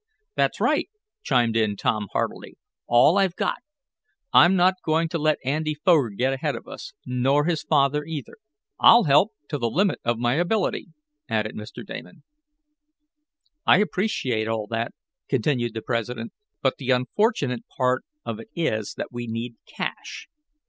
"That's right," chimed in Tom heartily. "All I've got. I'm not going to let Andy Foger get ahead of us; nor his father either." "I'll help to the limit of my ability," added Mr. Damon. "I appreciate all that," continued the president. "But the unfortunate part of it is that we need cash.